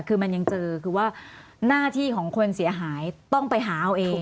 คือมันยังเจอคือว่าหน้าที่ของคนเสียหายต้องไปหาเอาเอง